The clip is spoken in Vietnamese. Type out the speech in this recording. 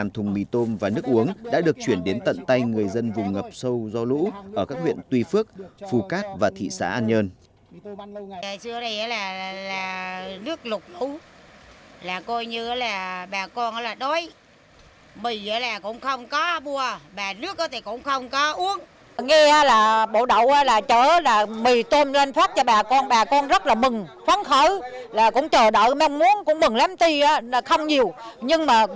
một thùng mì tôm và nước uống đã được chuyển đến tận tay người dân vùng ngập sâu do lũ ở các huyện tuy phước phù cát và thị xã an nhơn